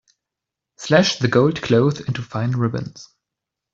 Slash the gold cloth into fine ribbons.